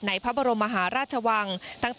พระบรมมหาราชวัง